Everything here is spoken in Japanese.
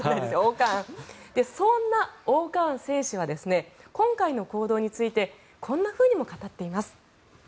そんな−Ｏ−カーン選手は今回の行動についてこんなふうにも語っています。